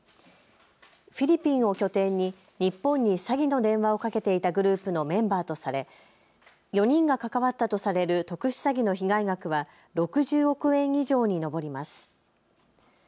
フィリピンを拠点に日本に詐欺の電話をかけていたグループのメンバーとされ４人が関わったとされる特殊詐欺の被害額は６０億円以上に上ります。